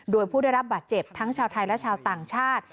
โดยผู้ได้รับบาดเจ็บทั้งชาวไทยและชาวต่างชาติ